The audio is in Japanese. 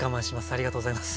ありがとうございます。